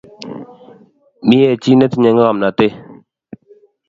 mie chi netinye ngomnotet